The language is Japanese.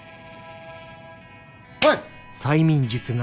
はい！